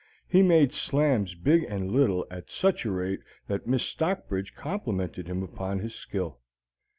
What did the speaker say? He made slams big and little at such a rate that Miss Stockbridge complimented him upon his skill.